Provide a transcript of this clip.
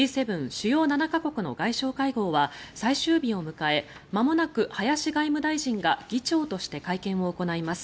・主要７か国の外相会合は最終日を迎えまもなく林外務大臣が議長として会見を行います。